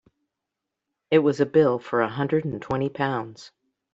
It was a bill for a hundred and twenty pounds.